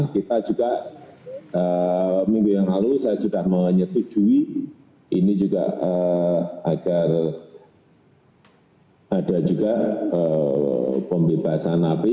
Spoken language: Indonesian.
kita juga minggu yang lalu saya sudah menyetujui ini juga agar ada juga pembebasan napi